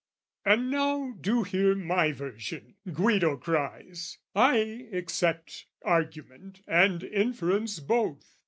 "And now, do hear my version," Guido cries: "I accept argument and inference both.